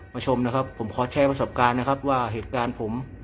ชมนะครับผมขอแชร์ประสบการณ์นะครับว่าเหตุการณ์ผม